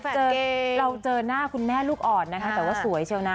เราเจอหน้าคุณแม่ลูกอ่อนนะคะแต่ว่าสวยเชียวนะ